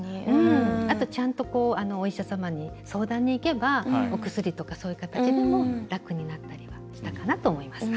あと、ちゃんとお医者様に相談に行けばお薬とかそういう形でも楽になったりはしたかなと思います。